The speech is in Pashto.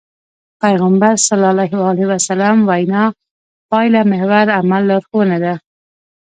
پيغمبر ص وينا پايلهمحور عمل لارښوونه ده.